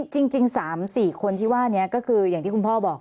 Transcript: จริง๓๔คนที่ว่านี้ก็คืออย่างที่คุณพ่อบอก